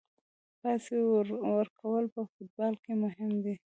پاس ورکول په فوټبال کې مهم دي.